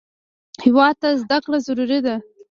هېواد ته زده کړه ضروري ده